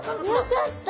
よかった。